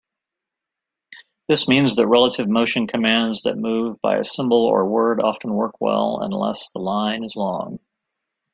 This means that relative motion commands that move by a symbol or word often work well unless the line is long.